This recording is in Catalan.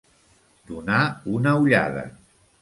Donar una ullada.